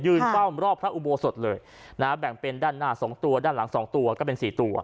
เฝ้ารอบพระอุโบสถเลยนะฮะแบ่งเป็นด้านหน้า๒ตัวด้านหลัง๒ตัวก็เป็นสี่ตัว